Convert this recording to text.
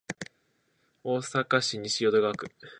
大阪市西淀川区